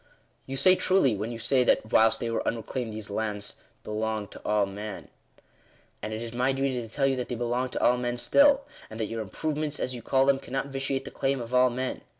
" You say truly, when you say that e whilst they were un reclaimed these lands belonged to all men.' And it is my duty to tell you that they belong to all men still ; and that your ,' improvements' as you call them, cannot vitiate the claim of all men.